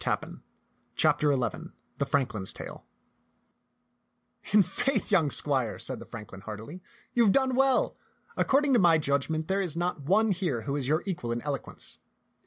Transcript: XI THE PROMISE OF DORIGEN teii ^tanUin IN faith, young squire," said the franklin heartily, you have done well. According to my judg ment there is not one here who is your equal in eloquence."